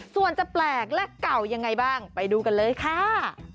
ส่วนจะแปลกและเก่ายังไงบ้างไปดูกันเลยค่ะ